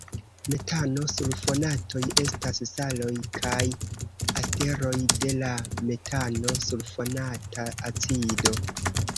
Metano-sulfonatoj estas saloj kaj esteroj de la metano-sulfonata acido.